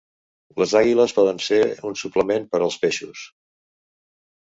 Les àguiles poden ser un suplement per als peixos.